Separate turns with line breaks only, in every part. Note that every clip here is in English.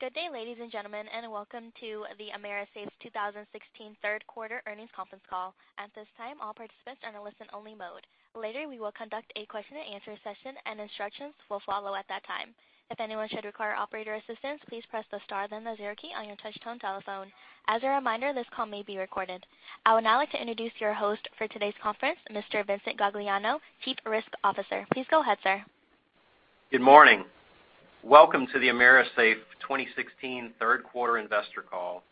Good day, ladies and gentlemen. Welcome to the AMERISAFE 2016 third quarter earnings conference call. At this time, all participants are in a listen-only mode. Later, we will conduct a question-and-answer session. Instructions will follow at that time. If anyone should require operator assistance, please press the star, then the zero key on your touch-tone telephone. As a reminder, this call may be recorded. I would now like to introduce your host for today's conference, Mr. Vincent Gagliano, Chief Risk Officer. Please go ahead, sir.
Good morning. Welcome to the AMERISAFE 2016 third quarter investor call.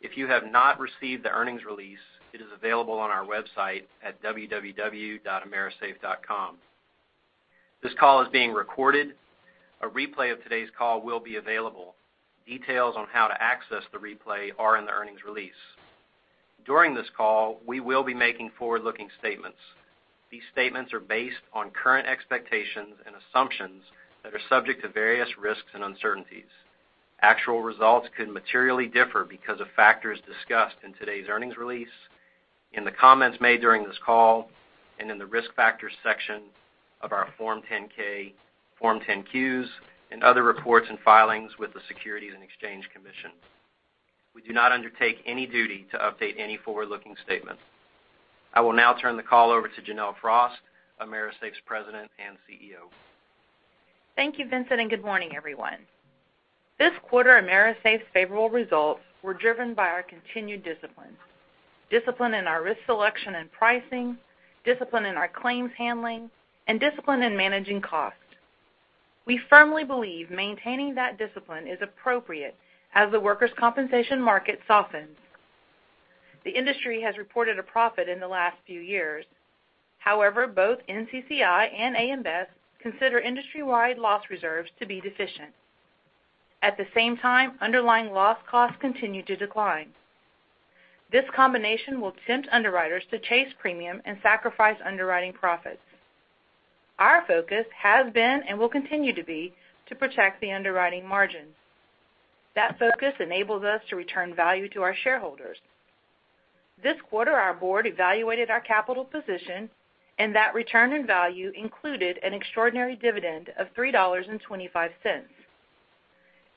If you have not received the earnings release, it is available on our website at www.amerisafe.com. This call is being recorded. A replay of today's call will be available. Details on how to access the replay are in the earnings release. During this call, we will be making forward-looking statements. These statements are based on current expectations and assumptions that are subject to various risks and uncertainties. Actual results could materially differ because of factors discussed in today's earnings release, in the comments made during this call, and in the Risk Factors section of our Form 10-K, Form 10-Qs, and other reports and filings with the Securities and Exchange Commission. We do not undertake any duty to update any forward-looking statements. I will now turn the call over to Janelle Frost, AMERISAFE's President and CEO.
Thank you, Vincent. Good morning, everyone. This quarter, AMERISAFE's favorable results were driven by our continued discipline. Discipline in our risk selection and pricing, discipline in our claims handling, and discipline in managing cost. We firmly believe maintaining that discipline is appropriate as the workers' compensation market softens. The industry has reported a profit in the last few years. However, both NCCI and AM Best consider industry-wide loss reserves to be deficient. At the same time, underlying loss costs continue to decline. This combination will tempt underwriters to chase premium and sacrifice underwriting profits. Our focus has been and will continue to be to protect the underwriting margin. That focus enables us to return value to our shareholders. This quarter, our board evaluated our capital position. That return in value included an extraordinary dividend of $3.25.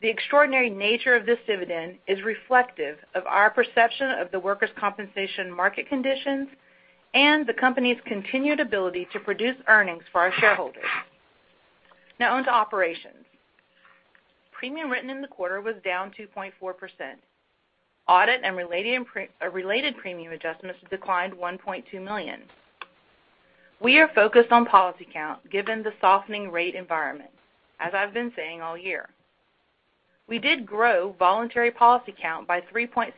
The extraordinary nature of this dividend is reflective of our perception of the workers' compensation market conditions and the company's continued ability to produce earnings for our shareholders. Now on to operations. Premium written in the quarter was down 2.4%. Audit and related premium adjustments declined $1.2 million. We are focused on policy count given the softening rate environment, as I've been saying all year. We did grow voluntary policy count by 3.6%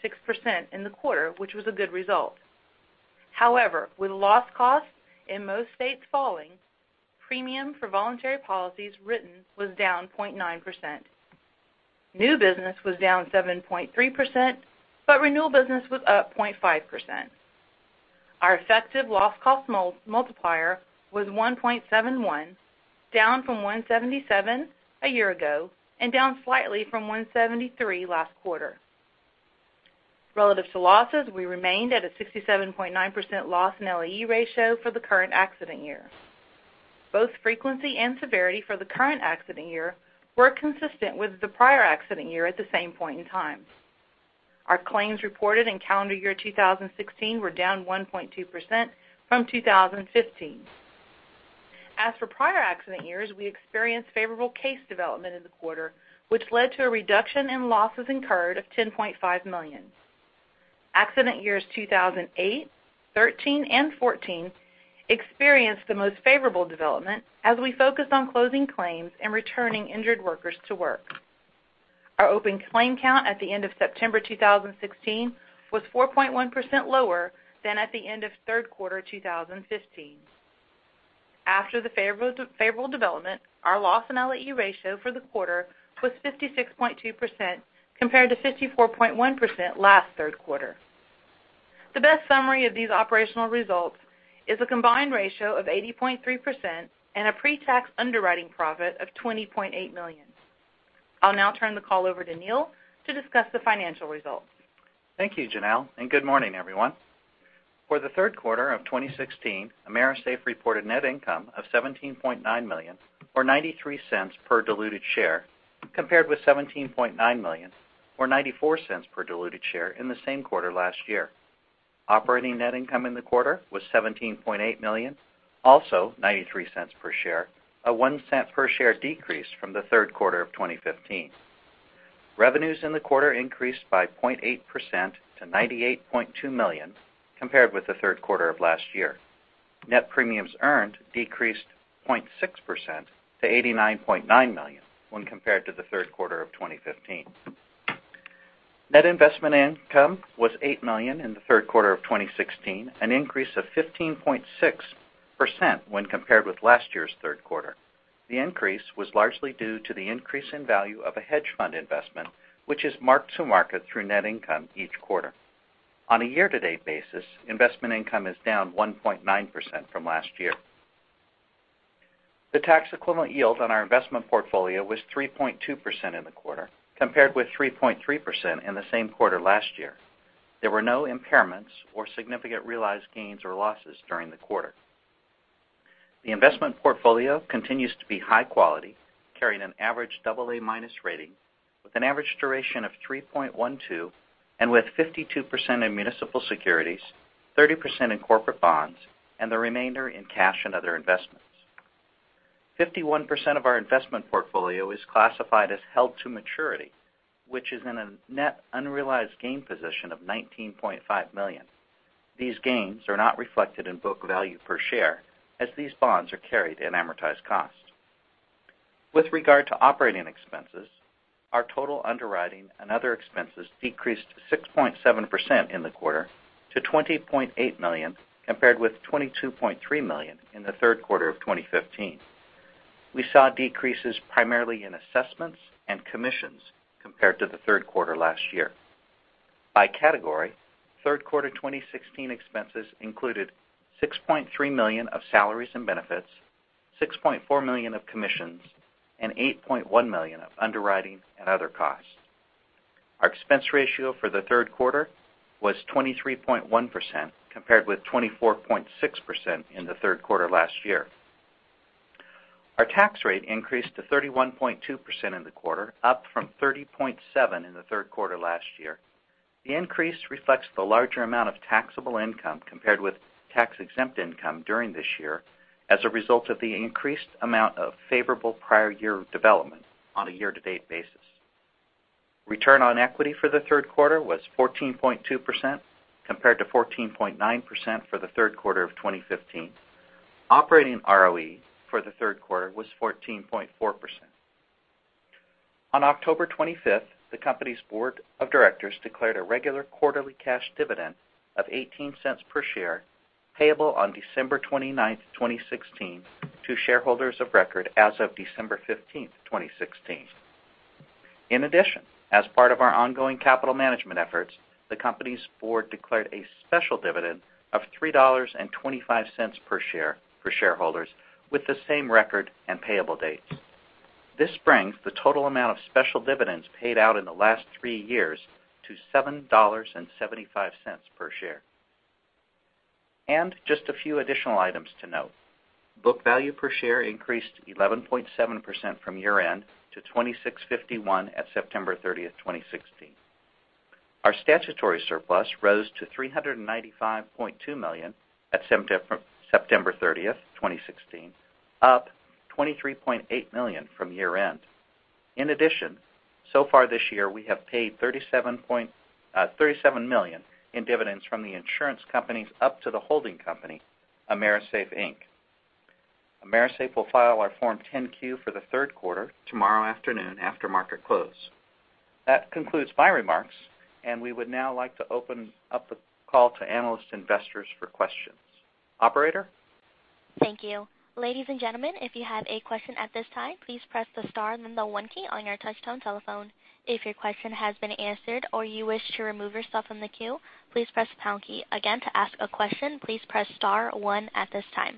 in the quarter, which was a good result. With loss costs in most states falling, premium for voluntary policies written was down 0.9%. New business was down 7.3%. Renewal business was up 0.5%. Our effective loss cost multiplier was 1.71, down from 1.77 a year ago and down slightly from 1.73 last quarter. Relative to losses, we remained at a 67.9% Loss and LAE ratio for the current accident year. Both frequency and severity for the current accident year were consistent with the prior accident year at the same point in time. Our claims reported in calendar year 2016 were down 1.2% from 2015. As for prior accident years, we experienced favorable case development in the quarter, which led to a reduction in losses incurred of $10.5 million. Accident years 2008, 2013, and 2014 experienced the most favorable development as we focused on closing claims and returning injured workers to work. Our open claim count at the end of September 2016 was 4.1% lower than at the end of third quarter 2015. After the favorable development, our Loss and LAE ratio for the quarter was 56.2% compared to 54.1% last third quarter. The best summary of these operational results is a combined ratio of 80.3% and a pre-tax underwriting profit of $20.8 million. I'll now turn the call over to Neal to discuss the financial results.
Thank you, Janelle, and good morning, everyone. For the third quarter of 2016, AMERISAFE reported net income of $17.9 million, or $0.93 per diluted share, compared with $17.9 million or $0.94 per diluted share in the same quarter last year. Operating net income in the quarter was $17.8 million, also $0.93 per share, a $0.01 per share decrease from the third quarter of 2015. Revenues in the quarter increased by 0.8% to $98.2 million compared with the third quarter of last year. Net premiums earned decreased 0.6% to $89.9 million when compared to the third quarter of 2015. Net investment income was $8 million in the third quarter of 2016, an increase of 15.6% when compared with last year's third quarter. The increase was largely due to the increase in value of a hedge fund investment, which is marked to market through net income each quarter. On a year-to-date basis, investment income is down 1.9% from last year. The tax-equivalent yield on our investment portfolio was 3.2% in the quarter, compared with 3.3% in the same quarter last year. There were no impairments or significant realized gains or losses during the quarter. The investment portfolio continues to be high quality, carrying an average AA minus rating with an average duration of 3.12 and with 52% in municipal securities, 30% in corporate bonds and the remainder in cash and other investments. 51% of our investment portfolio is classified as held to maturity, which is in a net unrealized gain position of $19.5 million. These gains are not reflected in book value per share as these bonds are carried in amortized cost. With regard to operating expenses, our total underwriting and other expenses decreased 6.7% in the quarter to $20.8 million, compared with $22.3 million in the third quarter of 2015. We saw decreases primarily in assessments and commissions compared to the third quarter last year. By category, third quarter 2016 expenses included $6.3 million of salaries and benefits, $6.4 million of commissions, and $8.1 million of underwriting and other costs. Our expense ratio for the third quarter was 23.1%, compared with 24.6% in the third quarter last year. Our tax rate increased to 31.2% in the quarter, up from 30.7% in the third quarter last year. The increase reflects the larger amount of taxable income compared with tax-exempt income during this year as a result of the increased amount of favorable prior year development on a year-to-date basis. Return on equity for the third quarter was 14.2%, compared to 14.9% for the third quarter of 2015. Operating ROE for the third quarter was 14.4%. On October 25th, the company's board of directors declared a regular quarterly cash dividend of $0.18 per share, payable on December 29th, 2016, to shareholders of record as of December 15th, 2016. In addition, as part of our ongoing capital management efforts, the company's board declared a special dividend of $3.25 per share for shareholders with the same record and payable dates. This brings the total amount of special dividends paid out in the last three years to $7.75 per share. Just a few additional items to note. Book value per share increased 11.7% from year-end to $26.51 at September 30th, 2016. Our statutory surplus rose to $395.2 million at September 30th, 2016, up $23.8 million from year-end. In addition, so far this year, we have paid $37 million in dividends from the insurance companies up to the holding company, AMERISAFE, Inc. AMERISAFE will file our Form 10-Q for the third quarter tomorrow afternoon after market close. That concludes my remarks, and we would now like to open up the call to analysts investors for questions. Operator?
Thank you. Ladies and gentlemen, if you have a question at this time, please press the star then the one key on your touchtone telephone. If your question has been answered or you wish to remove yourself from the queue, please press pound key. Again, to ask a question, please press star one at this time.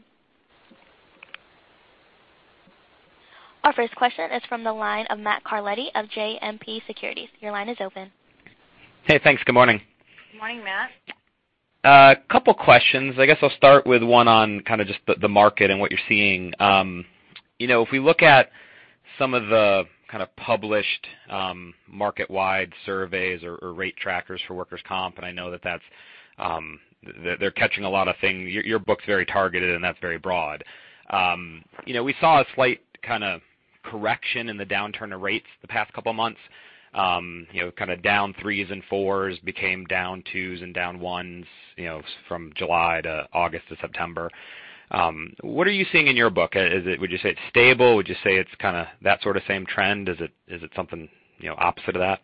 Our first question is from the line of Matthew Carletti of JMP Securities. Your line is open.
Hey, thanks. Good morning.
Good morning, Matt.
A couple questions. I guess I'll start with one on kind of just the market and what you're seeing. If we look at some of the kind of published market-wide surveys or rate trackers for workers' comp, I know that they're catching a lot of things. Your book's very targeted. That's very broad. We saw a slight kind of correction in the downturn of rates the past couple of months. Kind of down threes and fours became down twos and down ones from July to August to September. What are you seeing in your book? Would you say it's stable? Would you say it's kind of that sort of same trend? Is it something opposite of that?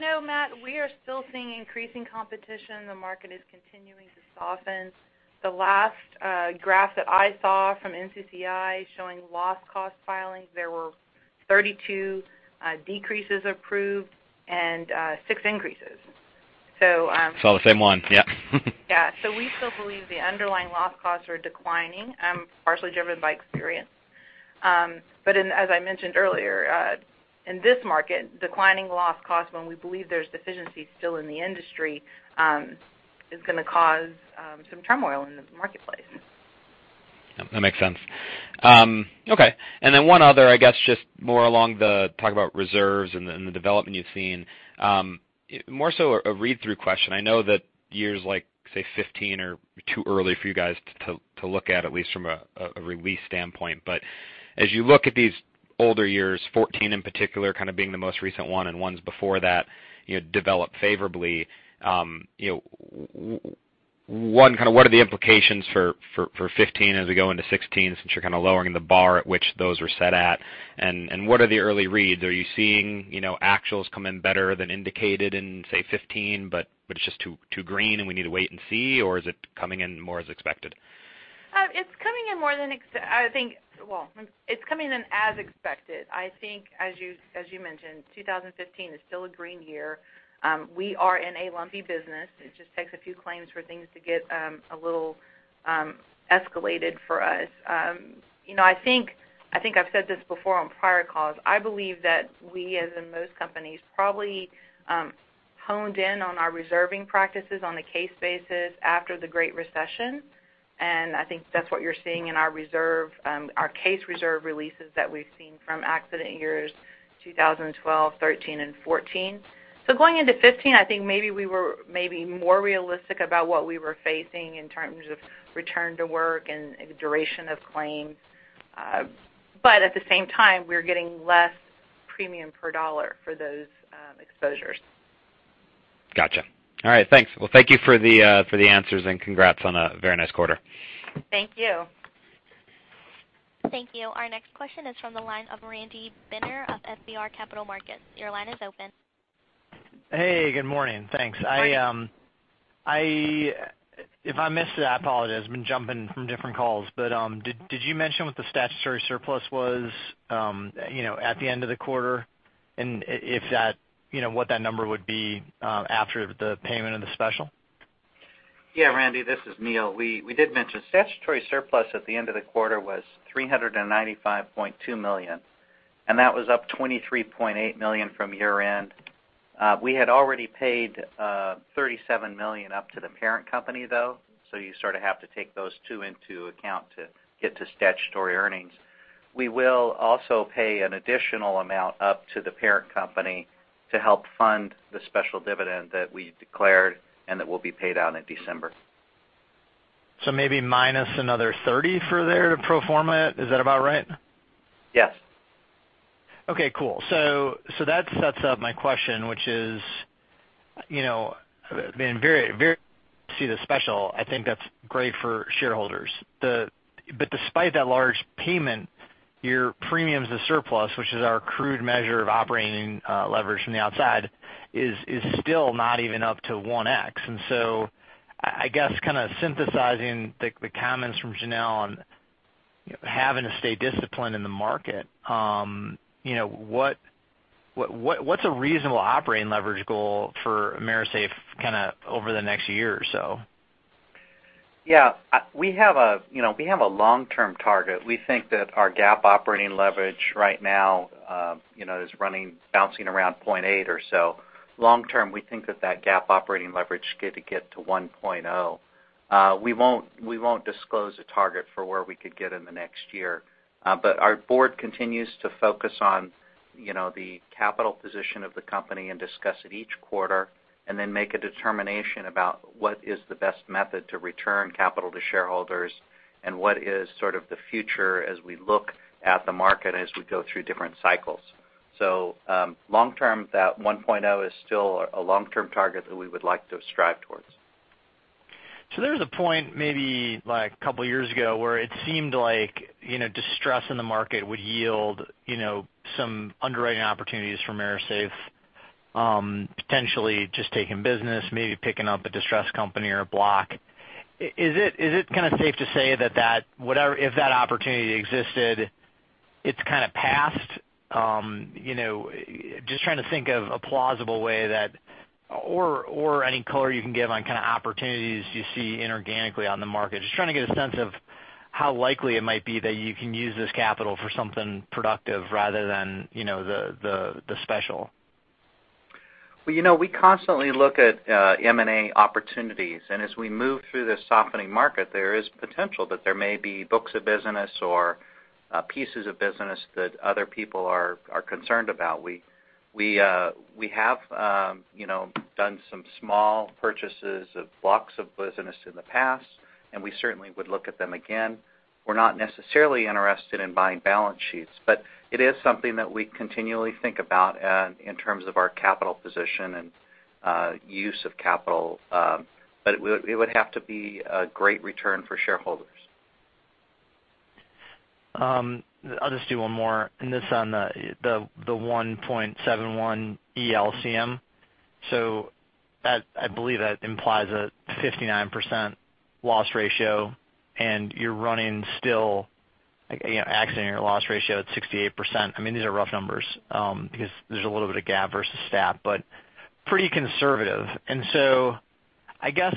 No, Matt, we are still seeing increasing competition. The market is continuing to soften. The last graph that I saw from NCCI showing loss cost filings, there were 32 decreases approved and six increases.
I saw the same one, yeah.
Yeah. We still believe the underlying loss costs are declining, partially driven by experience. As I mentioned earlier, in this market, declining loss cost when we believe there's deficiencies still in the industry, is going to cause some turmoil in the marketplace.
That makes sense. Okay. One other, I guess, just more along the talk about reserves and the development you've seen. More so a read-through question. I know that years like, say, 2015 are too early for you guys to look at least from a release standpoint. As you look at these older years, 2014 in particular, kind of being the most recent one and ones before that developed favorably. One, what are the implications for 2015 as we go into 2016, since you're kind of lowering the bar at which those were set at? What are the early reads? Are you seeing actuals come in better than indicated in, say, 2015, but it's just too green, and we need to wait and see? Or is it coming in more as expected?
I think, well, it's coming in as expected. I think as you mentioned, 2015 is still a green year. We are in a lumpy business. It just takes a few claims for things to get a little escalated for us. I think I've said this before on prior calls. I believe that we, as in most companies, probably
honed in on our reserving practices on a case basis after the Great Recession. I think that's what you're seeing in our case reserve releases that we've seen from accident years 2012, 2013, and 2014. Going into 2015, I think maybe we were more realistic about what we were facing in terms of return to work and duration of claims. At the same time, we were getting less premium per dollar for those exposures.
Got you. All right, thanks. Thank you for the answers, and congrats on a very nice quarter.
Thank you.
Thank you. Our next question is from the line of Randy Binner of FBR Capital Markets. Your line is open.
Hey, good morning. Thanks.
Morning.
If I missed it, I apologize. I've been jumping from different calls. Did you mention what the statutory surplus was at the end of the quarter, and what that number would be after the payment of the special?
Yeah, Randy, this is Neal. We did mention statutory surplus at the end of the quarter was $395.2 million, and that was up $23.8 million from year-end. We had already paid $37 million up to the parent company, though. You sort of have to take those two into account to get to statutory earnings. We will also pay an additional amount up to the parent company to help fund the special dividend that we declared, and that will be paid out in December.
Maybe minus another $30 for their pro forma. Is that about right?
Yes.
That sets up my question, which is, to see the special, I think that's great for shareholders. Despite that large payment, your premiums to surplus, which is our crude measure of operating leverage from the outside, is still not even up to 1x. I guess kind of synthesizing the comments from Janelle on having to stay disciplined in the market. What's a reasonable operating leverage goal for AMERISAFE kind of over the next year or so?
Yeah. We have a long-term target. We think that our gap operating leverage right now is bouncing around 0.8 or so. Long term, we think that that gap operating leverage could get to 1.0. We won't disclose a target for where we could get in the next year. Our board continues to focus on the capital position of the company and discuss it each quarter, and then make a determination about what is the best method to return capital to shareholders and what is sort of the future as we look at the market as we go through different cycles. Long term, that 1.0 is still a long-term target that we would like to strive towards.
There was a point maybe like a couple of years ago, where it seemed like distress in the market would yield some underwriting opportunities for AMERISAFE, potentially just taking business, maybe picking up a distressed company or a block. Is it kind of safe to say that if that opportunity existed, it's kind of passed? Just trying to think of a plausible way that, or any color you can give on kind of opportunities you see inorganically on the market. Just trying to get a sense of how likely it might be that you can use this capital for something productive rather than the special.
We constantly look at M&A opportunities. As we move through this softening market, there is potential that there may be books of business or pieces of business that other people are concerned about. We have done some small purchases of blocks of business in the past. We certainly would look at them again. We're not necessarily interested in buying balance sheets, but it is something that we continually think about in terms of our capital position and use of capital. It would have to be a great return for shareholders.
I'll just do one more on the 1.71 ELCM. I believe that implies a 59% loss ratio, you're running still accident year loss ratio at 68%. These are rough numbers because there's a little bit of GAAP versus stat, pretty conservative. I guess,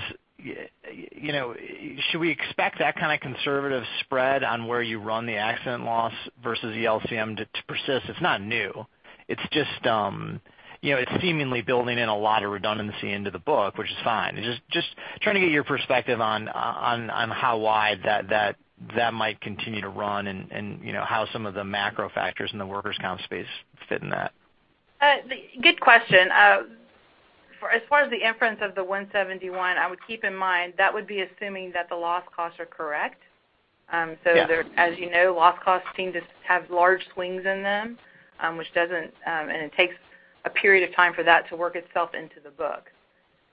should we expect that kind of conservative spread on where you run the accident loss versus ELCM to persist? It's not new. It's seemingly building in a lot of redundancy into the book, which is fine. Just trying to get your perspective on how wide that might continue to run and how some of the macro factors in the workers' comp space fit in that.
Good question. As far as the inference of the 171, I would keep in mind that would be assuming that the loss costs are correct.
Yeah.
As you know, loss costs seem to have large swings in them, it takes a period of time for that to work itself into the book.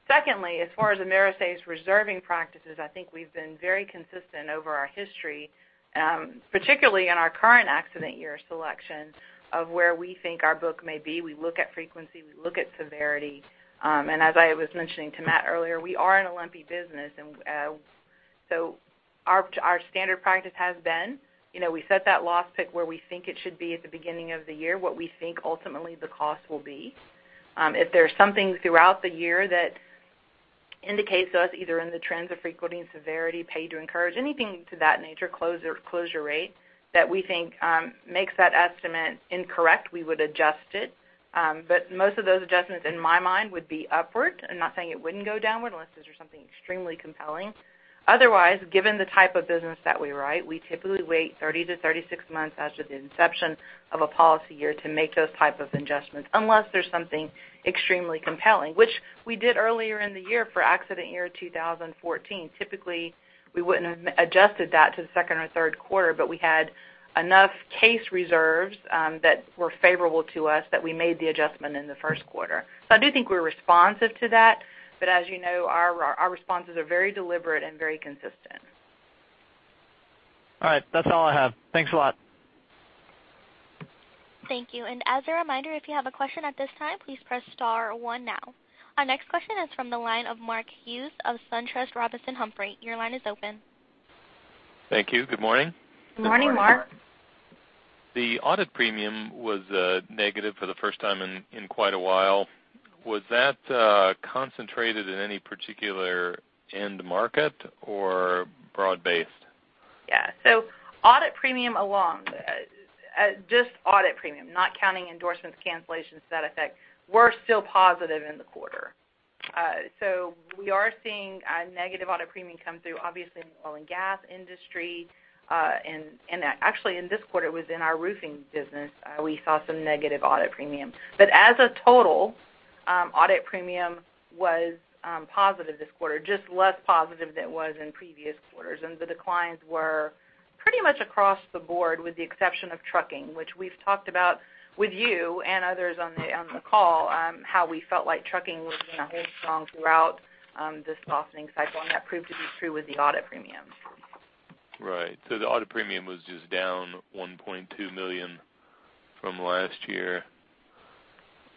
Secondly, as far as AMERISAFE's reserving practices, I think we've been very consistent over our history, particularly in our current accident year selection of where we think our book may be. We look at frequency, we look at severity. As I was mentioning to Matt earlier, we are an lumpy business. Our standard practice has been, we set that loss pick where we think it should be at the beginning of the year, what we think ultimately the cost will be. If there's something throughout the year that indicates to us either in the trends of frequency and severity, paid to incurred, anything to that nature, closure rate, that we think makes that estimate incorrect, we would adjust it. Most of those adjustments, in my mind, would be upward. I'm not saying it wouldn't go downward unless there's something extremely compelling. Otherwise, given the type of business that we write, we typically wait 30 to 36 months after the inception of a policy year to make those type of adjustments, unless there's something extremely compelling, which we did earlier in the year for accident year 2014. Typically, we wouldn't have adjusted that to the second or third quarter, we had enough case reserves that were favorable to us that we made the adjustment in the first quarter. I do think we're responsive to that, as you know, our responses are very deliberate and very consistent.
All right. That's all I have. Thanks a lot.
Thank you. As a reminder, if you have a question at this time, please press star one now. Our next question is from the line of Mark Hughes of SunTrust Robinson Humphrey. Your line is open.
Thank you. Good morning.
Good morning, Mark.
The audit premium was negative for the first time in quite a while. Was that concentrated in any particular end market or broad-based?
Yeah. Audit premium alone, just audit premium, not counting endorsements, cancellations, to that effect, we're still positive in the quarter. We are seeing a negative audit premium come through, obviously in the oil and gas industry. Actually, in this quarter, it was in our roofing business, we saw some negative audit premium. As a total, audit premium was positive this quarter, just less positive than it was in previous quarters. The declines were pretty much across the board with the exception of trucking, which we've talked about with you and others on the call, how we felt like trucking was going to hold strong throughout this softening cycle, and that proved to be true with the audit premium.
Right. The audit premium was just down $1.2 million from last year.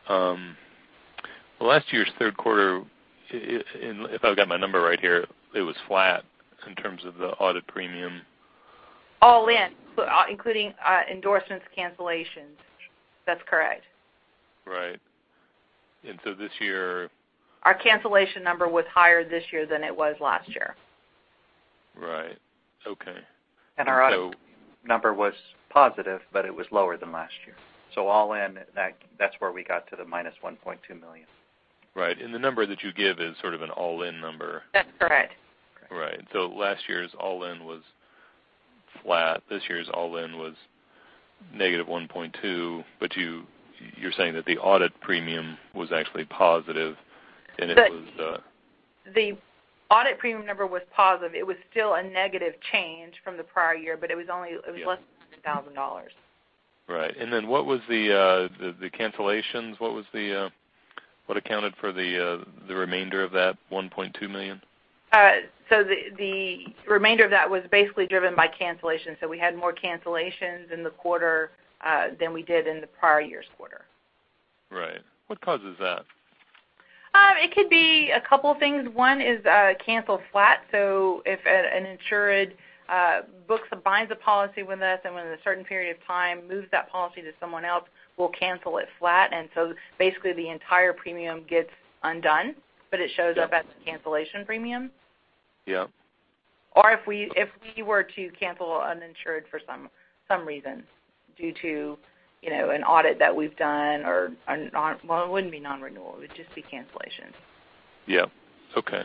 Last year's third quarter, if I've got my number right here, it was flat in terms of the audit premium.
All in, including endorsements, cancellations. That's correct.
Right. This year.
Our cancellation number was higher this year than it was last year.
Right. Okay.
Our audit number was positive, but it was lower than last year. All in, that's where we got to the -$1.2 million.
Right. The number that you give is sort of an all-in number.
That's correct.
Right. Last year's all-in was flat. This year's all-in was -1.2. You're saying that the audit premium was actually positive.
The audit premium number was positive. It was still a negative change from the prior year, but it was less than $100,000.
Right. Then what was the cancellations? What accounted for the remainder of that $1.2 million?
The remainder of that was basically driven by cancellations. We had more cancellations in the quarter than we did in the prior year's quarter.
Right. What causes that?
It could be a couple things. One is cancel flat. If an insured books or binds a policy with us and within a certain period of time moves that policy to someone else, we'll cancel it flat. Basically, the entire premium gets undone, but it shows up as a cancellation premium.
Yep.
If we were to cancel an insured for some reason due to an audit that we've done or, well, it wouldn't be non-renewal, it would just be cancellation.
Yep. Okay.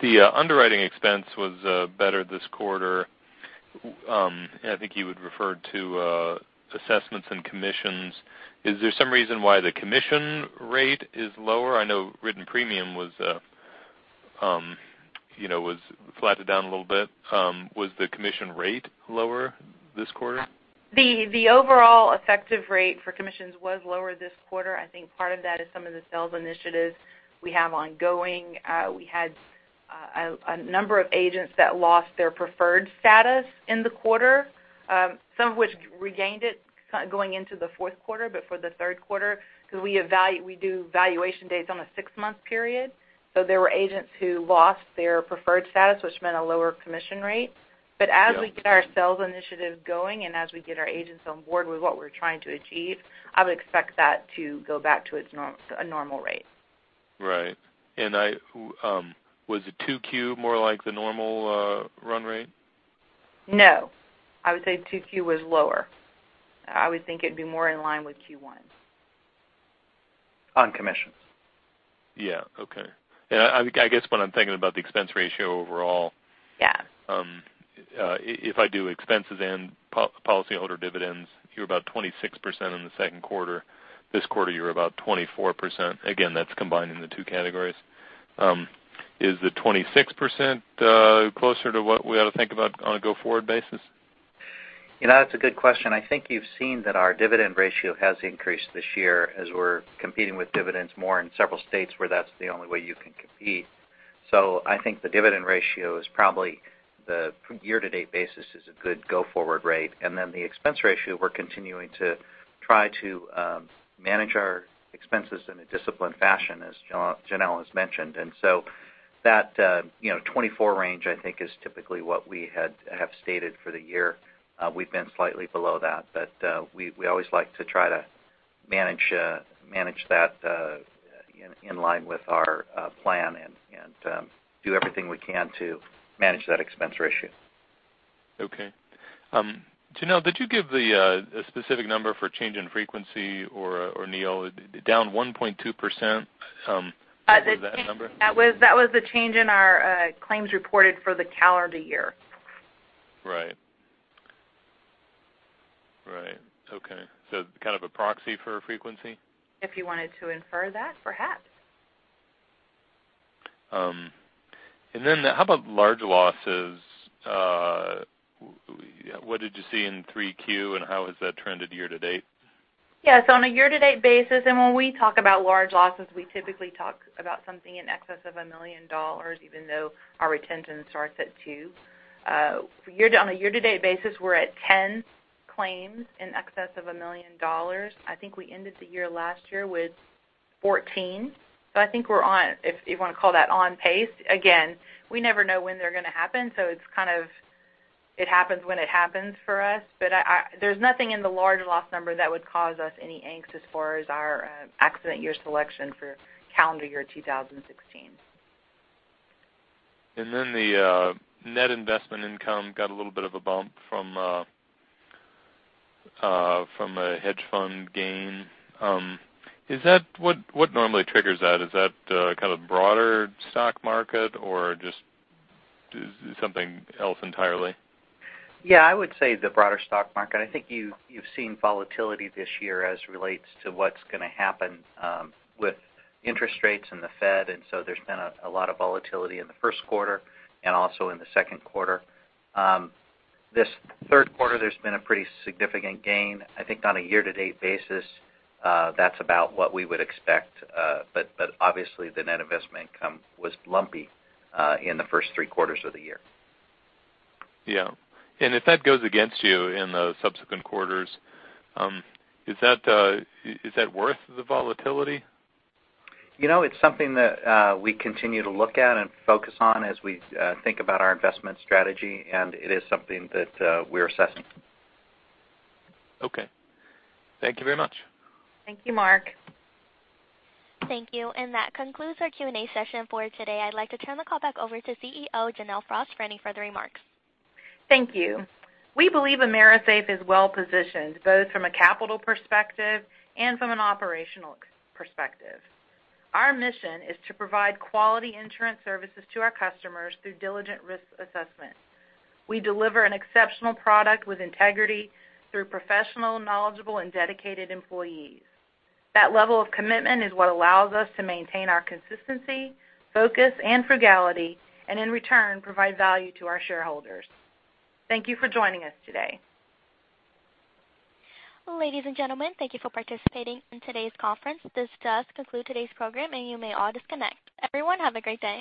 The underwriting expense was better this quarter. I think you had referred to assessments and commissions. Is there some reason why the commission rate is lower? I know written premium was flatted down a little bit. Was the commission rate lower this quarter?
The overall effective rate for commissions was lower this quarter. I think part of that is some of the sales initiatives we have ongoing. We had a number of agents that lost their preferred status in the quarter, some of which regained it going into the fourth quarter. For the third quarter, because we do valuation dates on a six-month period. There were agents who lost their preferred status, which meant a lower commission rate. As we get our sales initiative going and as we get our agents on board with what we're trying to achieve, I would expect that to go back to a normal rate.
Right. Was the 2Q more like the normal run rate?
No. I would say 2Q was lower. I would think it'd be more in line with Q1.
On commissions.
Yeah. Okay. I guess when I'm thinking about the expense ratio overall.
Yeah
If I do expenses and policyholder dividends, you're about 26% in the second quarter. This quarter, you're about 24%. Again, that's combining the two categories. Is the 26% closer to what we ought to think about on a go-forward basis?
That's a good question. I think you've seen that our dividend ratio has increased this year as we're competing with dividends more in several states where that's the only way you can compete. I think the dividend ratio is probably the year-to-date basis is a good go-forward rate. Then the expense ratio, we're continuing to try to manage our expenses in a disciplined fashion, as Janelle has mentioned. That 24% range, I think is typically what we have stated for the year. We've been slightly below that, but we always like to try to manage that in line with our plan and do everything we can to manage that expense ratio.
Okay. Janelle, did you give the specific number for change in frequency or Neal, down 1.2%? Was that the number?
That was the change in our claims reported for the calendar year.
Right. Okay. Kind of a proxy for frequency?
If you wanted to infer that, perhaps.
How about large losses? What did you see in Q3 and how has that trended year-to-date?
Yes. On a year-to-date basis, when we talk about large losses, we typically talk about something in excess of $1 million, even though our retention starts at two. On a year-to-date basis, we're at 10 claims in excess of $1 million. I think we ended the year last year with 14. I think we're on, if you want to call that on pace. We never know when they're going to happen, so it happens when it happens for us. There's nothing in the large loss number that would cause us any angst as far as our accident year selection for calendar year 2016.
The net investment income got a little bit of a bump from a hedge fund gain. What normally triggers that? Is that kind of broader stock market or just something else entirely?
I would say the broader stock market. I think you've seen volatility this year as relates to what's going to happen with interest rates and the Fed. There's been a lot of volatility in the first quarter and also in the second quarter. This third quarter, there's been a pretty significant gain. I think on a year-to-date basis, that's about what we would expect. Obviously the net investment income was lumpy in the first three quarters of the year.
Yeah. If that goes against you in the subsequent quarters, is that worth the volatility?
It's something that we continue to look at and focus on as we think about our investment strategy, it is something that we're assessing.
Okay. Thank you very much.
Thank you, Mark.
Thank you. That concludes our Q&A session for today. I'd like to turn the call back over to CEO, Janelle Frost, for any further remarks.
Thank you. We believe AMERISAFE is well-positioned, both from a capital perspective and from an operational perspective. Our mission is to provide quality insurance services to our customers through diligent risk assessment. We deliver an exceptional product with integrity through professional, knowledgeable, and dedicated employees. That level of commitment is what allows us to maintain our consistency, focus, and frugality, and in return, provide value to our shareholders. Thank you for joining us today.
Ladies and gentlemen, thank you for participating in today's conference. This does conclude today's program, and you may all disconnect. Everyone, have a great day